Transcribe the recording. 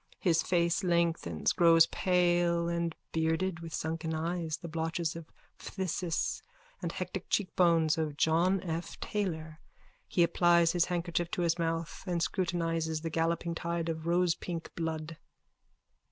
His face lengthens, grows pale and bearded, with sunken eyes, the blotches of phthisis and hectic cheekbones of John F. Taylor. He applies his handkerchief to his mouth and scrutinises the galloping tide of rosepink blood.)